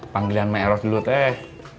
panggilan mbak eros dulu teh